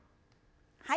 はい。